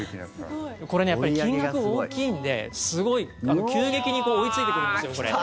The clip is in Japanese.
これ、やっぱり金額大きいんですごい、急激に追いついてくるんですよ。